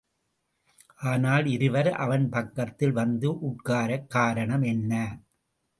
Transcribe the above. ஆனால் இருவர் அவன் பக்கத்தில் வந்து உட்காரக் காரணம் என்ன?